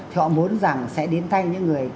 thì họ muốn rằng sẽ đến tay những người